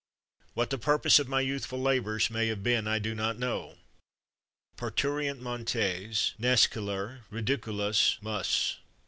What the purpose of my youthful labours may have been I do not know. ... Partariunt monies, nascelur ridiculus mus.